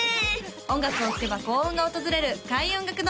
音楽を聴けば幸運が訪れる開運音楽堂